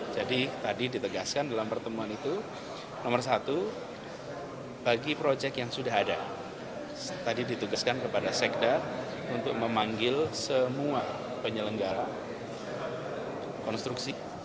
jadi ditegaskan dalam pertemuan itu nomor satu bagi proyek yang sudah ada tadi ditugaskan kepada sekda untuk memanggil semua penyelenggara konstruksi